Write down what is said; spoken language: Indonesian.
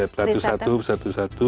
iya satu satu satu satu